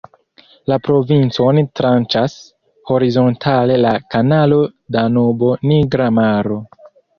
La provincon "tranĉas" horizontale la Kanalo Danubo-Nigra Maro.